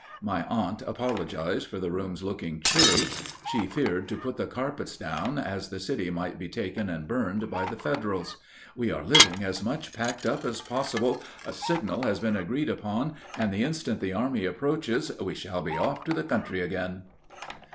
My aunt apologized for the rooms looking chilly; she feared to put the carpets down, as the city might be taken and burned by the Federals. "We are living as much packed up as possible. A signal has been agreed upon, and the instant the army approaches we shall be off to the country again."